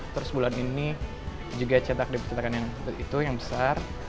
terus bulan ini juga cetak di percetakan yang besar